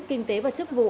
kinh tế và chức vụ